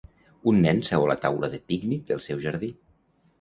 Un nen seu a la taula de pícnic del seu jardí